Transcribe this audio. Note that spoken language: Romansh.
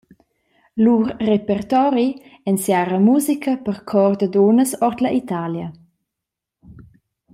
Lur repertori ensiara musica per chor da dunnas ord la Italia.